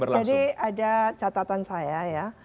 jadi ada catatan saya ya